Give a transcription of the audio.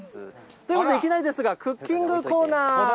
ということでいきなりですが、クッキングコーナー。